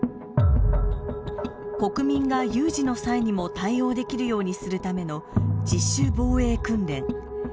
国民が有事の際にも対応できるようにするための自主防衛訓練。